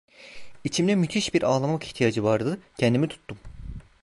İçimde müthiş bir ağlamak ihtiyacı vardı, kendimi tuttum.